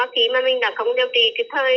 khi mà mình không điều trị cái thời